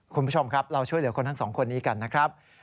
คุณผู้ชมครับเราช่วยเหลือคนทั้งสองคนนี้กันนะครับ